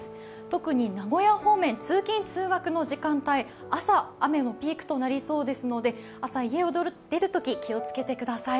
特に名古屋方面、通勤通学の時間帯、朝、雨のピークとなりそうですので朝、家を出るとき気をつけてください。